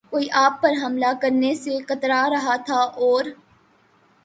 کوئی آپ پر حملہ کرنے سے کترا رہا تھا اور